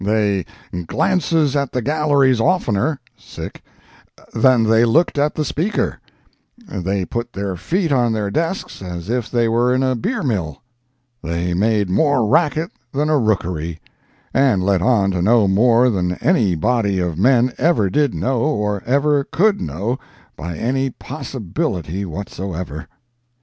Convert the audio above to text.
They glances at the galleries oftenor than they looked at the Speaker; they put their feet on their desks as if they were in a beer mill; they made more racket than a rookery, and let on to know more than any body of men ever did know or ever could know by any possibility whatsoever.